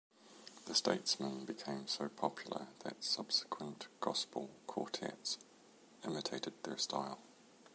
The Statesmen became so popular that subsequent gospel quartets imitated their style.